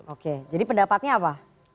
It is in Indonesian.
oke jadi pendapatnya apa